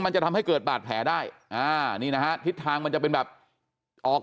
มันจะทำให้เกิดบาดแผลได้อ่านี่นะฮะทิศทางมันจะเป็นแบบออก